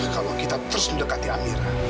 kalau kita terus mendekati amir